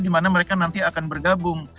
dimana mereka nanti akan bergabung